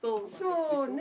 そうね。